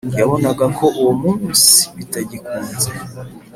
yabonaga ko uwo munsi bitagikunze